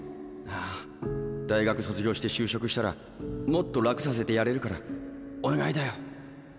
なあ大学卒業して就職したらもっと楽させてやれるからお願いだよ。